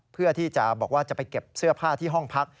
เพื่อที่จะบอกว่าจะไปเก็บเสื้อผ้าที่ห้องพัก